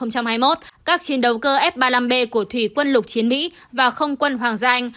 các chiến đấu cơ f ba mươi năm b của thủy quân lục chiến mỹ và không quân hoàng gia anh